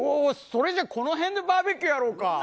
それじゃあ、この辺でバーベキューやろうか。